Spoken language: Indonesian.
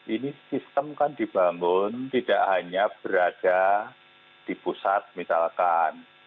ini sistem kan dibangun tidak hanya berada di pusat misalkan